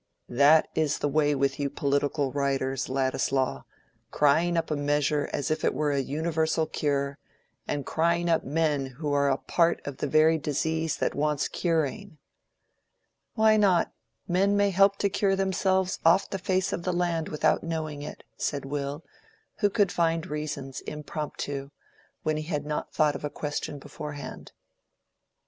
"That is the way with you political writers, Ladislaw—crying up a measure as if it were a universal cure, and crying up men who are a part of the very disease that wants curing." "Why not? Men may help to cure themselves off the face of the land without knowing it," said Will, who could find reasons impromptu, when he had not thought of a question beforehand.